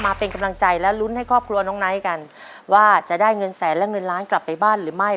มาเป็นกำลังใจและลุ้นให้ครอบครัวน้องไนท์กันว่าจะได้เงินแสนและเงินล้านกลับไปบ้านหรือไม่